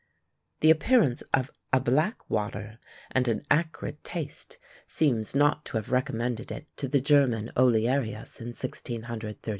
The appearance of "a black water" and an acrid taste seems not to have recommended it to the German Olearius in 1633.